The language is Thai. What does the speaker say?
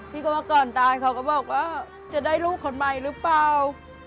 ที่ก็เมื่อก่อนตายเขาก็บอกว่าจะได้ลูกคนใหม่หรือเปล่า